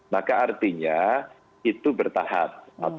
maka artinya itu bertahap